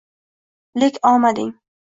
Lek omading